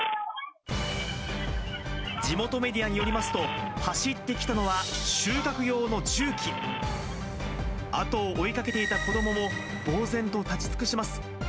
地元メディアによりますと、走ってきたのは収穫用の重機。後を追いかけていた子どももぼうぜんと立ち尽くします。